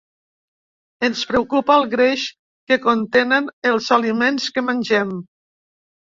Ens preocupa el greix que contenen els aliments que mengem.